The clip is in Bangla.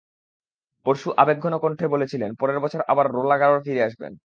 পরশু আবেগঘন কণ্ঠে বলছিলেন, পরের বছর আবার রোলাঁ গারোয় ফিরে আসবেন।